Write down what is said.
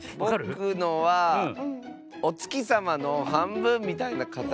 ぼくのはおつきさまのはんぶんみたいなかたちですね。